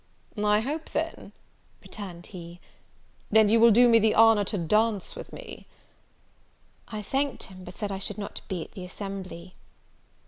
"I hope then," returned he, "that you will do me the honour to dance with me?" I thanked him, but said I should not be at the assembly.